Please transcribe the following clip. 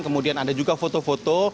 kemudian ada juga foto foto